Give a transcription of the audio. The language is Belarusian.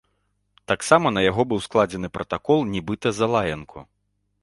Таксама на яго быў складзены пратакол нібыта за лаянку.